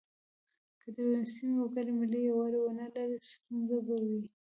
که د یوې سیمې وګړي ملي یووالی ونه لري ستونزه به وي.